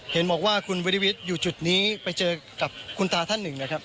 เห็นบอกว่าคุณวิริวิทย์อยู่จุดนี้ไปเจอกับคุณตาท่านหนึ่งนะครับ